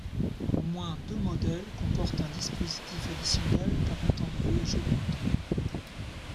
Au moins deux modèles comportent un dispositif additionnel permettant de voyager dans le temps.